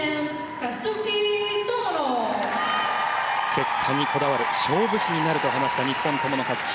結果にこだわる勝負師になると話した日本、友野一希。